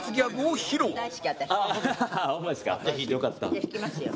じゃあ引きますよ。